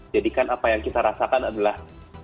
jadikan apa yang kita rasakan adalah